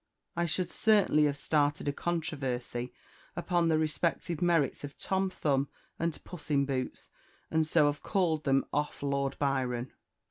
I should certainly have started a controversy upon the respective merits of Tom Thumb and Puss in Boots, and so have called them off Lord Byron.